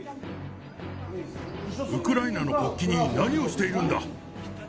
ウクライナの国旗に何をしているんだ。